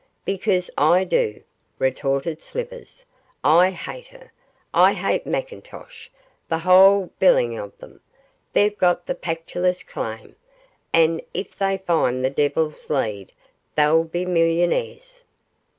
'Because I do,' retorted Slivers. 'I hate her; I hate McIntosh; the whole biling of them; they've got the Pactolus claim, and if they find the Devil's Lead they'll be millionaires.